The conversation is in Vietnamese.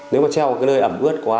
nếu mà treo ở nơi ẩm ướt quá